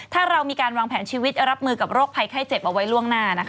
ถ้าเรามีการวางแผนชีวิตรับมือกับโรคภัยไข้เจ็บเอาไว้ล่วงหน้านะคะ